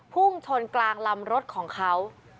พุ่งชนกลางลำรถของเขา